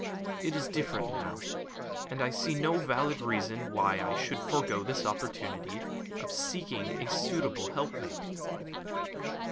It is different now, and I see no valid reason why I should forego this opportunity of seeking a suitable helpmate."